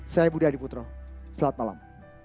saya budi adiputro selamat malam